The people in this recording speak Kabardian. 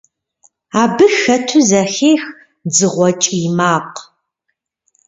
Абы хэту зэхех дзыгъуэ кӀий макъ.